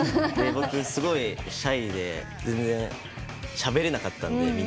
僕すごいシャイで全然しゃべれなかったんで。